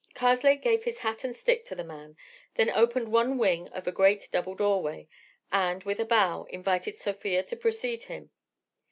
Karslake gave his hat and stick to the man, then opened one wing of a great double doorway, and with a bow invited Sofia to precede him.